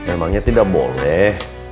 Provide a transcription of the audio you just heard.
emangnya tidak boleh